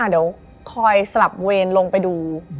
เดี๋ยวคอยสลับเวรลงไปดู